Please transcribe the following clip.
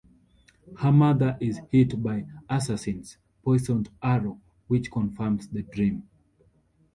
Her mother is hit by assassin's poisoned arrow, which confirms the dream.